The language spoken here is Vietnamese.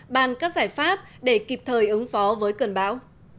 bàn các giải pháp để kịp thời ứng phó với cơn bão